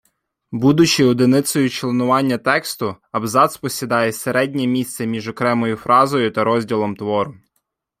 Будучи одиницею членування тексту, абзац посідає середнє місце між окремою фразою та розділом твору.